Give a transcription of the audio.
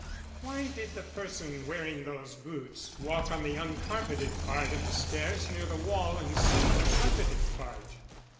"Why did the person wearing those boots walk on the uncarpeted part of the stairs near the wall instead of the carpeted part?"